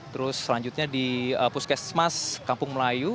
terus selanjutnya di puskesmas kampung melayu